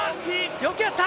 よくやった！